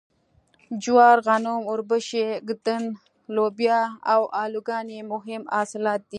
جوار غنم اوربشې ږدن لوبیا او الوګان یې مهم حاصلات دي.